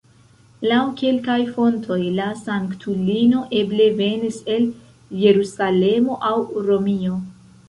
Laŭ kelkaj fontoj, la sanktulino eble venis el Jerusalemo aŭ Romio.